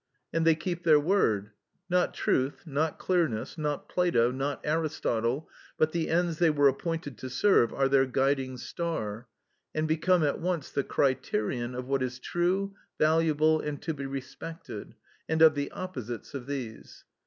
And they keep their word: not truth, not clearness, not Plato, not Aristotle, but the ends they were appointed to serve are their guiding star, and become at once the criterion of what is true, valuable, and to be respected, and of the opposites of these.